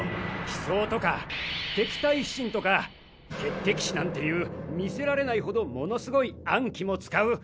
飛抓とか腿飛針とか血滴子なんていう見せられないほどものすごい暗器も使う。